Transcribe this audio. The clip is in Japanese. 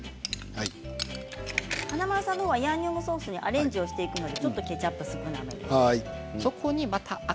華丸さんの方はヤンニョムソースにアレンジをしていくのでちょっとケチャップ少なめです。